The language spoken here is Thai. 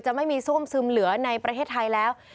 ไม่มีซ่วมซึมเหลือในประเทศไทยแล้ว